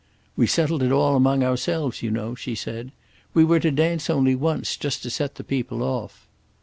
"We settled it all among ourselves, you know," she said. "We were to dance only once, just to set the people off."